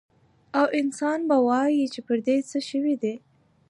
او انسان به ووايي چې پر دې څه شوي دي؟